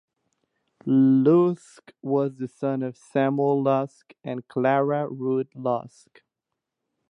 Lusk was the son of Samuel Lusk and Clara Root Lusk.